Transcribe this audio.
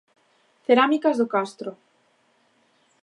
Cerámicas do Castro.